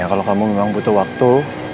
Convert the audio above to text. kalau kamu memang butuh waktu